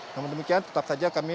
namun demikian tetap saja kami